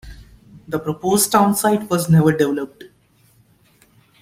The proposed townsite was never developed.